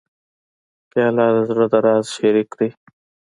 پیاله د زړه د راز شریک دی.